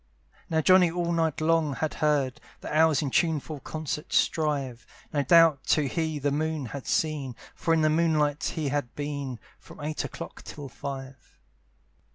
Now Johnny all night long had heard The owls in tuneful concert strive; No doubt too he the moon had seen; For in the moonlight he had been From eight o'clock till five.